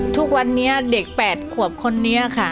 ทุกวันนี้เด็ก๘ขวบคนนี้ค่ะ